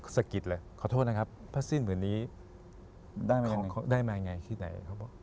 สะกิดเลยขอโทษนะครับพัดสิ้นเหมือนนี้ได้มาไงขึ้นไหน